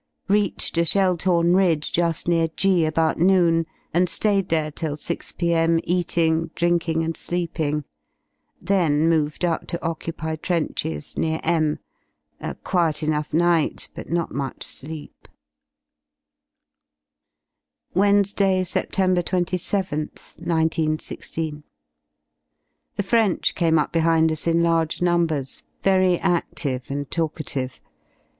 Reached a shell torn ridge ju^ near G about noon, and ^ayed there till 6 p.m. eating, drinking, and sleeping; then moved up to occupy trenches near M A quiet enough night, but not much sleep, PFednesday, Sept 27th, 191 6. The French came up behind us in large numbers, very adlive and talkative.